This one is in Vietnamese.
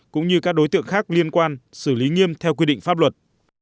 cũng như các đối tượng khác liên quan xử lý nghiêm theo quy định pháp luật